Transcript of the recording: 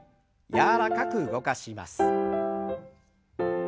柔らかく動かします。